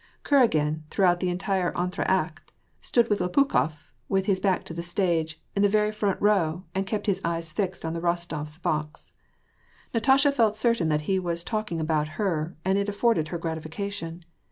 Kuragin, throughout that entr^acte, stood with Lopukhof, with his back to the stage, in the very front row, and kept his eyes fixed on the Kostofs' box. Natasha felt certain that he was talking about her, and it afforded her gratification.